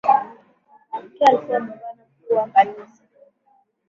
malkia alikuwa gavana mkuu wa kanisa